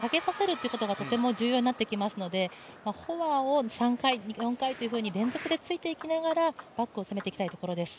やはり孫エイ莎選手は台から下げさせることがとても重要になってきますのでフォアを３回、４回というふうに連続で突いていきながらバックを攻めていきたいところです。